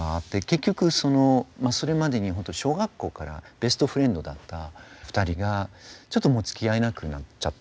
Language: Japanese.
結局それまでに小学校からベストフレンドだった２人がちょっともうつきあえなくなっちゃったんですね。